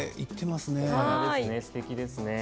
すてきですね。